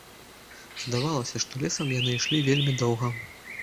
Здавалася, што лесам яны ішлі вельмі доўга.